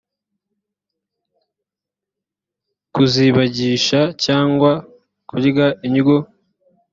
kuzibagisha cyangwa kurya indyo